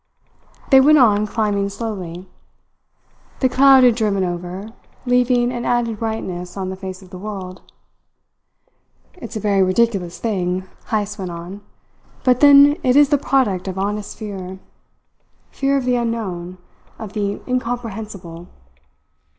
They went on climbing slowly. The cloud had driven over, leaving an added brightness on the face of the world. "It's a very ridiculous thing," Heyst went on; "but then it is the product of honest fear fear of the unknown, of the incomprehensible.